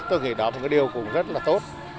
tôi nghĩ đó là một cái điều cũng rất là tốt